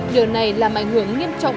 điều này làm ảnh hưởng nghiêm trọng